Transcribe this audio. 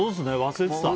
忘れてた。